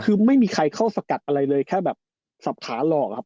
คือไม่มีใครเข้าฝกัดอะไรเลยเค้าแบบฝับท้าหล่อคับ